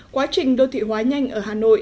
quá trình đô thị hóa nhanh ở hà nội